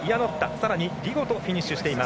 さらにリゴとフィニッシュ。